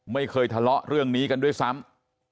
ไม่เคยทะเลาะเรื่องนี้กันด้วยซ้ำ